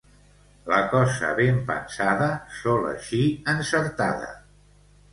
La cosa ben pensada sol eixir encertada.